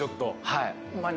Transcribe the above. はい。